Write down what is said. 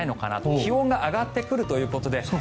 気温が上がってくるということで。